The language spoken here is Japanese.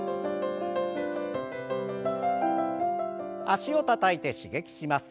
脚をたたいて刺激します。